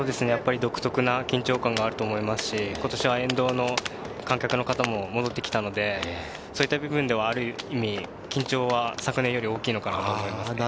独特な緊張感があると思いますし、今年は沿道の観客の方も戻ってきたので、そういった部分ではある意味、緊張は昨年より大きいのかなと思います。